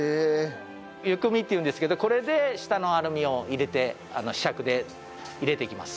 湯くみって言うんですけどこれで下のアルミを入れてヒシャクで入れていきます。